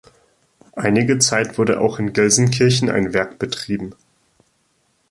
Einige Zeit wurde auch in Gelsenkirchen ein Werk betrieben.